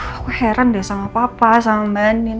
aku heran deh sama papa sama mba nin